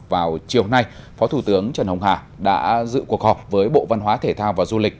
vào chiều nay phó thủ tướng trần hồng hà đã dự cuộc họp với bộ văn hóa thể thao và du lịch